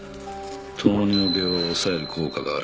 糖尿病を抑える効果がある。